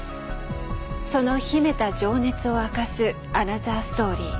その秘めた情熱を明かすアナザーストーリー。